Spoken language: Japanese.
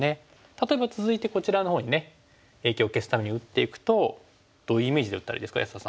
例えば続いてこちらのほうにね影響を消すために打っていくとどういうイメージで打ったらいいですか安田さん。